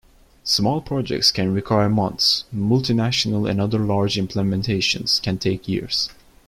Small projects can require months; multinational and other large implementations can take years.